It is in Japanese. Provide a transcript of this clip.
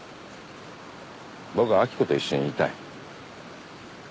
僕は明子と一緒にいたい。